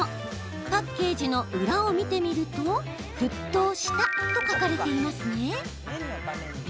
パッケージの裏を見てみると「沸騰した」と書かれていますね。